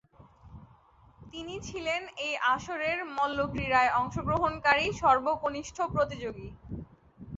তিনি ছিলেন এই আসরের মল্লক্রীড়ায় অংশগ্রহণকারী সর্বকনিষ্ঠ প্রতিযোগী।